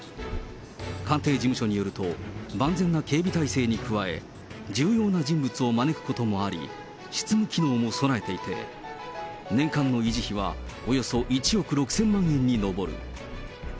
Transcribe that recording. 官邸事務所によると、万全な警備体制に加え、重要な人物を招くこともあり、執務機能も備えていて、年間の維持費はおよそ１億６０００万円に上る。